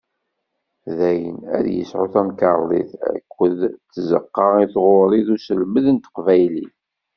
Daɣen, ad yesɛu tamkarḍit akked tzeqqa i tɣuri d uselmed n teqbaylit.